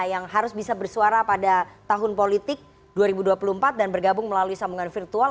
yang harus bisa bersuara pada tahun politik dua ribu dua puluh empat dan bergabung melalui sambungan virtual